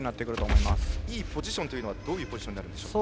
いいポジションとはどういうポジションになりますか。